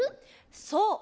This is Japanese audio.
そう。